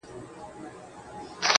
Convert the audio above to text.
خیر حتمي کارونه مه پرېږده، کار باسه,